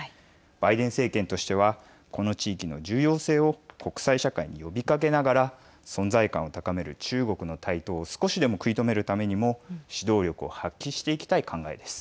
バイデン政権としてはこの地域の重要性を国際社会に呼びかけながら存在感を高める中国の台頭を少しでも食い止めるためにも指導力を発揮していきたい考えです。